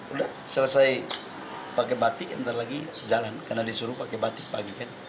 udah selesai pakai batik ntar lagi jalan karena disuruh pakai batik pagi kan